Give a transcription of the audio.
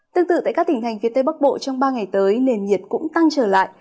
tương tự tại các tỉnh thành phía tây bắc bộ trong ba ngày tới nền nhiệt cũng tăng trở lại